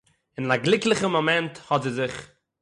און אין אַ גליקליכן מאָמענט האָט זי זיך